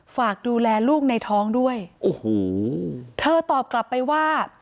ฝากดูแลลูกในท้องด้วยโอ้โหเธอตอบกลับไปว่า